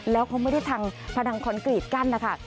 แล้วเขาไม่ได้ทำพนังคอนกรีตกั้นนะคะ